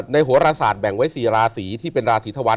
ในหัวราศาสตร์แบ่งไว้สี่ราศรีที่เป็นราศรีธวาร